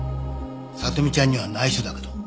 聡美ちゃんには内緒だけど。